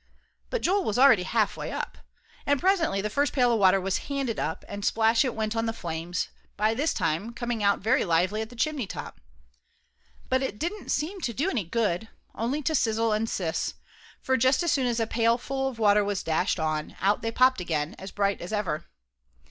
But Joel was already halfway up. And presently the first pail of water was handed up, and splash it went on the flames, by this time coming out very lively at the chimney top. But it didn't seem to do any good, only to sizzle and siss, for just as soon as a pailful of water was dashed on, out they popped again, as bright as ever.